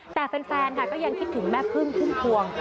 แต่แฟนค่ะก็ยังคิดถึงแม่พึ่งพุ่มพวง